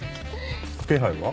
気配は？